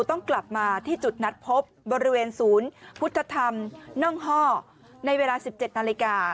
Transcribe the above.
ต้องกลับมาที่จุดนัดพบบริเวณศูนย์พุทธธรรมน่องห้อในเวลา๑๗นาฬิกา